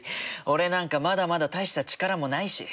俺なんかまだまだ大した力もないし。